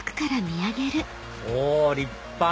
お立派！